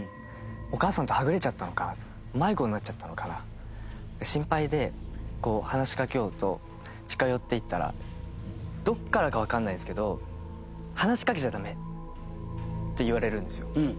お母さんとはぐれちゃったのかな迷子になっちゃったのかな心配で話しかけようと近寄っていったらどっからかわかんないですけど話しかけちゃダメって言われるんですよ。